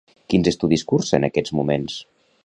Quins estudis cursa en aquests moments?